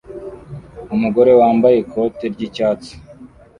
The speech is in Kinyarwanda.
Umugore wambaye ikote ry'icyatsi